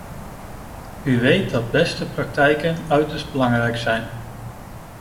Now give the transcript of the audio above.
U weet dat beste praktijken uiterst belangrijk zijn.